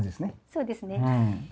そうですね。